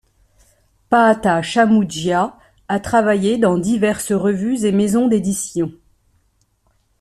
Paata Shamugia a travaillé dans diverses revues et maisons d'édition.